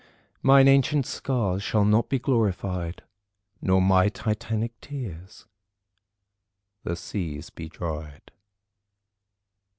Mine ancient scars shall not be glorified Nor my titanic tears the seas be dried."